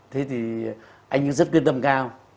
thế thì anh rất quyết tâm cao